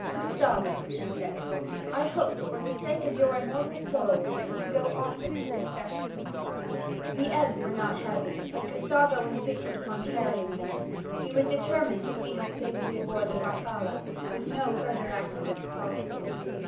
'Gustavo,' she said, 'I hope, for the sake of your immortal soul, that you go often to confession.' The eggs were not heavy, but Gustavo insisted upon carrying them; he was determined to see her safely aboard the Farfalla, with no further accidents possible.